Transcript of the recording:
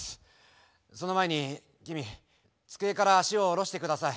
その前に君机から脚を下ろして下さい。